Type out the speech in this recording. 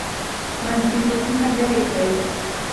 منفي فکرونه لیرې کړئ.